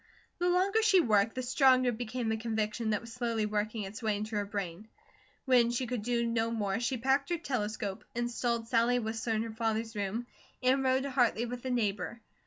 The longer she worked, the stronger became a conviction that was slowly working its way into her brain. When she could do no more she packed her telescope, installed Sally Whistler in her father's room, and rode to Hartley with a neighbour.